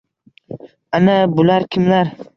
Ana, bular kimlar.